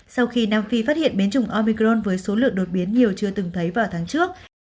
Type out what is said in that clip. sau khi nam phi phát hiện biến chủng omicron với số lượng đột biến nhiều chưa từng thấy vào tháng trước